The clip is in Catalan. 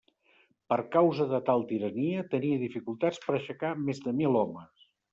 Per causa de tal tirania, tenia dificultats per aixecar més de mil homes.